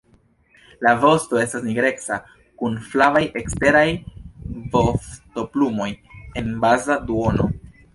La vosto estas nigreca kun flavaj eksteraj vostoplumoj en baza duono.